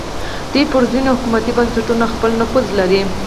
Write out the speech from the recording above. دوی پر ځینو حکومتي بنسټونو خپل نفوذ لري